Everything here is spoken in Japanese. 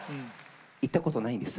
行ったことないんです。